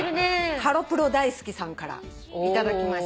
ハロプロ大好きさんから頂きました。